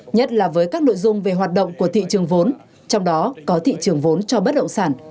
nhất là với các nội dung về hoạt động của thị trường vốn trong đó có thị trường vốn cho bất động sản